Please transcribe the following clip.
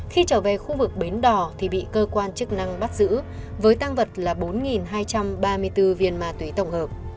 khi trở về khu vực bến đỏ thì bị cơ quan chức năng bắt giữ với tăng vật là bốn hai trăm ba mươi bốn viên ma túy tổng hợp